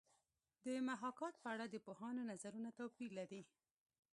د محاکات په اړه د پوهانو نظرونه توپیر لري